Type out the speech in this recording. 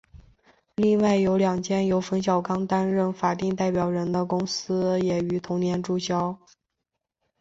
另外有两间由冯小刚担任法定代表人的公司也于同年注销。